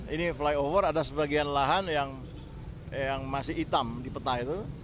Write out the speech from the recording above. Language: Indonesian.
ini flyover ada sebagian lahan yang masih hitam di peta itu